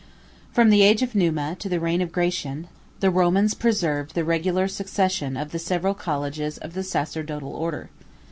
] From the age of Numa to the reign of Gratian, the Romans preserved the regular succession of the several colleges of the sacerdotal order.